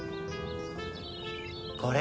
これ。